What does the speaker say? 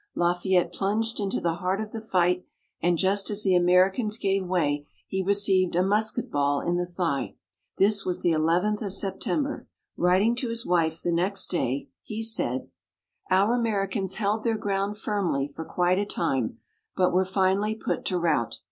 Lafayette plunged into the heart of the fight, and just as the Americans gave way, he received a musket ball in the thigh. This was the 11th of September. Writing to his wife the next day, he said: "Our Americans held their ground firmly for quite a time, but were finally put to rout.